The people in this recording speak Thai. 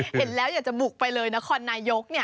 เห็นแล้วอยากจะบุกไปเลยนครนายก